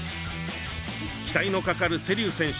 期待のかかる瀬立選手